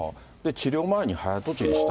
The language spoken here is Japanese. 治療前に早とちりした。